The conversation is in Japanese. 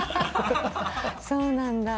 そうなんだ。